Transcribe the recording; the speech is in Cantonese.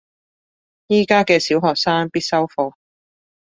而家嘅小學生必修課